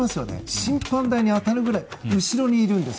審判台に当たるぐらい後ろにいるんです。